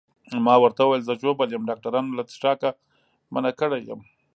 ما ورته وویل زه ژوبل یم، ډاکټرانو له څښاکه منع کړی یم.